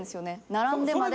並んでまで。